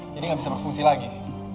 ini tidak bisa berfungsi lagi